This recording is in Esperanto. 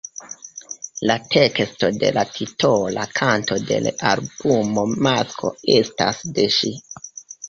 La teksto de la titola kanto de l‘ albumo „Masko“ estas de ŝi.